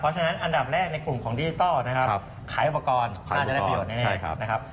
เพราะฉะนั้นอันดับแรกในกลุ่มของดิจิทัลนะครับขายอุปกรณ์น่าจะได้ประโยชนแน่นะครับ